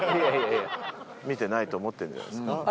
見てないと思ってんじゃないですか？